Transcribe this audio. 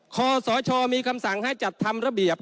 คศมีคำสั่งให้จัดทำระเบียบ